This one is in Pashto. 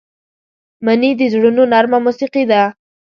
مني د زړونو نرمه موسيقي ده